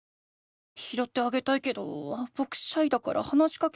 ひろってあげたいけどぼくシャイだから話しかけられない。